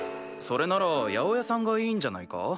それなら八百屋さんがいいんじゃないか？